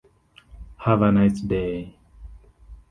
Have a nice day.